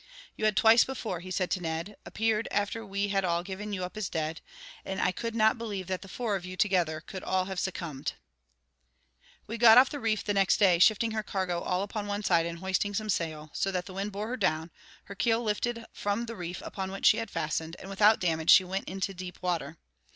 "You had twice before," he said to Ned, "appeared after we had all given you up as dead; and I could not believe that the four of you, together, could all have succumbed. "We got off the reef the next day, shifting her cargo all upon one side and hoisting some sail, so that the wind bore her down, her keel lifted from the reef upon which she had fastened, and without damage she went into deep water.